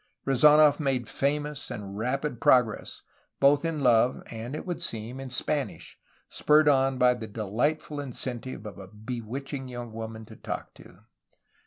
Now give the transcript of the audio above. Rezanof made famous and rapid progress, both in love, and, it would seem, in Spanish, spurred on by the delightful incentive of a bewitching young woman to talk to.